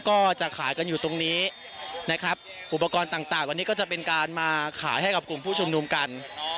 ก็จะขายกันอยู่ตรงนี้นะครับอุปกรณ์ต่างวันนี้ก็จะเป็นการมาขายให้กับกลุ่มผู้ชุมนุมกัน